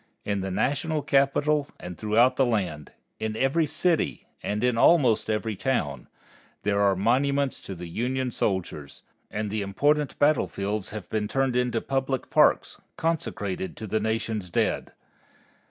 In the National Capital and throughout the land, in every city, and in almost every town, there are monuments to the Union soldiers, and the important battlefields have been turned into public parks consecrated to the Nation's dead.